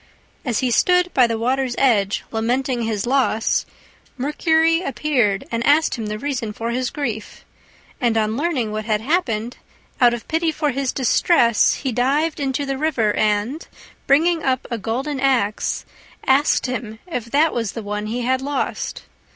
As he stood by the water's edge lamenting his loss, Mercury appeared and asked him the reason for his grief; and on learning what had happened, out of pity for his distress he dived into the river and, bringing up a golden axe, asked him if that was the one he had lost.